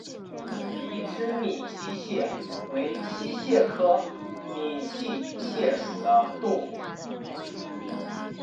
鼻肢闽溪蟹为溪蟹科闽溪蟹属的动物。